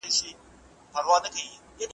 سیوري د ولو بوی د سنځلو ,